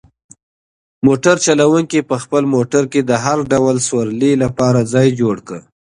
موټر چلونکي په خپل موټر کې د هر ډول سوارلۍ لپاره ځای جوړ کړ.